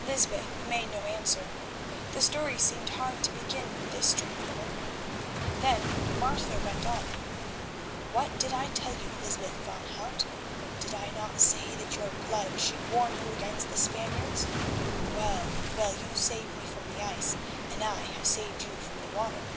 Lysbeth made no answer; the story seemed hard to begin with this strange woman. Then Martha went on: "What did I tell you, Lysbeth van Hout? Did I not say that your blood should warn you against the Spaniards? Well, well, you saved me from the ice and I have saved you from the water.